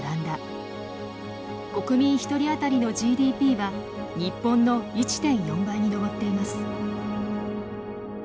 国民一人当たりのＧＤＰは日本の１．４倍に上っています。